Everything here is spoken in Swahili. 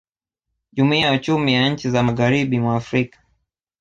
Jumuiya ya Uchumi ya Nchi za Magharibi mwa Afrika